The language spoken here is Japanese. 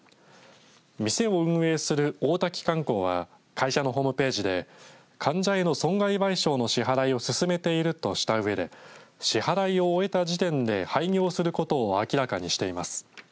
店を運営する大滝観光は会社のホームページで患者への損害賠償の支払いを進めているとしたうえで支払いを終えた時点で廃業することを明らかにしています。